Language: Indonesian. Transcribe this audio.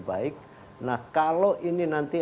baik nah kalau ini nanti